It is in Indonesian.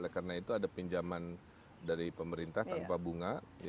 karena itu ada pinjaman dari pemerintah tanpa bunga